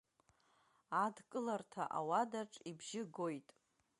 Адкыларҭа ауадаҿҿ ибжьы гоит.